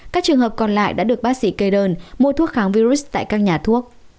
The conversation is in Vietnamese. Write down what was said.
các trường hợp còn lại đã được bác sĩ kê đơn mua thuốc kháng virus tại các nhà thuốc